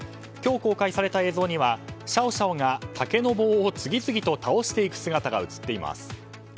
今日公開された映像にはシャオシャオが竹の棒を次々と倒していく姿が映っています。